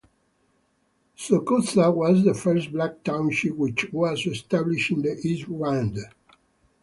Thokoza was the first black township which was established in the East Rand.